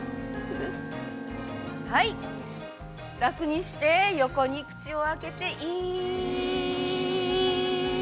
楽にして、横に口をあけて、イー。